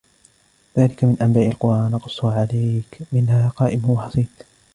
ذلك من أنباء القرى نقصه عليك منها قائم وحصيد